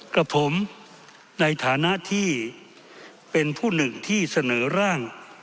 กับผมในฐานะที่เป็นผู้หนึ่งที่เสนอร่าง